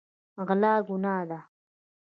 غلا ګناه ده.